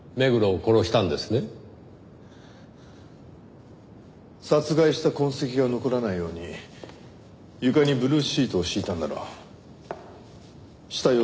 殺害した痕跡が残らないように床にブルーシートを敷いたんだろう。